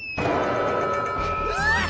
うわっ！